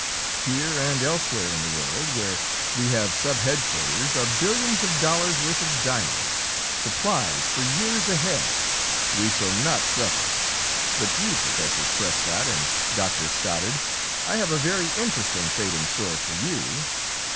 Here and elsewhere in the world, where we have sub headquarters, are billions of dollars' worth of diamonds supplies for years ahead. We shall not suffer. But you Professor Prescott and Doctor Stoddard I have a very interesting fate in store for you.